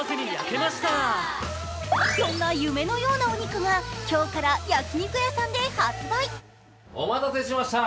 そんな夢のようなお肉が今日から焼き肉屋さんで発売。